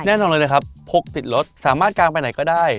แน่นอนเลยนะครับพกติดรถสามารถกางไปไหนก็ได้